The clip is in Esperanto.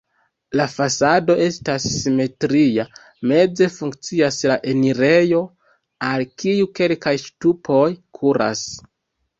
La fasado estas simetria, meze funkcias la enirejo, al kiu kelkaj ŝtupoj kuras.